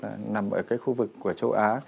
nằm ở cái khu vực của châu á